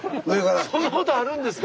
そんなことあるんですか？